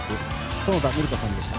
園田教子さんでした。